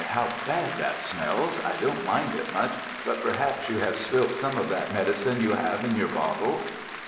how bad that smells! I don't mind it much, but perhaps you have spilt some of that medicine you have in your bottle!"